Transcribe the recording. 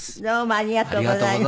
ありがとうございます。